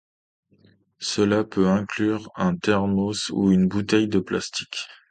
Cela peut inclure un thermos ou une bouteille de plastique.